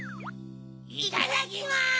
いただきます！